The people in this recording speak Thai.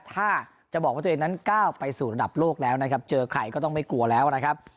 ถ้าจะบอกว่าตัวเองนั้นก้าวไปสู่ระดับโลกแล้วนะครับเจอใครก็ต้องไม่กลัวแล้วนะครับ